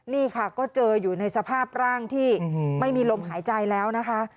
นี่ค่ะก็เจออยู่ในสภาพร่างที่ไม่มีลมหายใจแล้วนะคะ